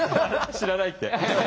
知らないって。